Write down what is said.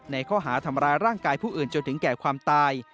ในข้อหาทำร้ายร่างกายผู้อื่นจนถึงแก่ความตาย